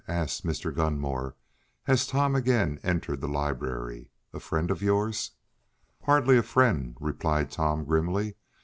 asked Mr. Gunmore as Tom again entered the library. "A friend of yours?" "Hardly a friend," replied Tom grimly.